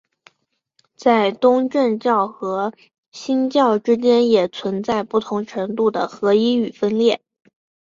在东正教和新教之间也存在不同程度的合一与分裂。